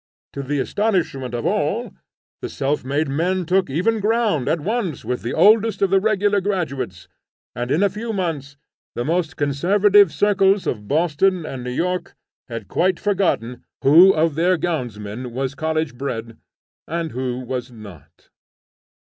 To the astonishment of all, the self made men took even ground at once with the oldest of the regular graduates, and in a few months the most conservative circles of Boston and New York had quite forgotten who of their gownsmen was college bred, and who was not.